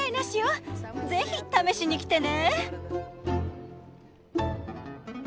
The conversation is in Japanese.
ぜひ試しに来てね！